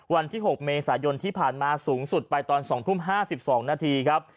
วันที่๖เมษายนที่ผ่านมาสูงสุดไปตอน๒ทุ่ม๕๒นาทีครับ